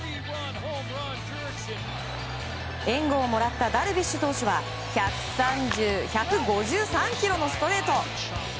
援護をもらったダルビッシュ投手は１５３キロのストレート。